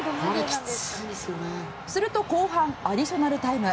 すると後半アディショナルタイム。